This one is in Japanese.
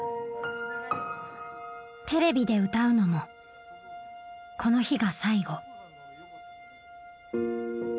テレビで歌うのもこの日が最後。